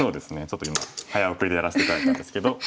ちょっと今早送りでやらせて頂いたんですけど。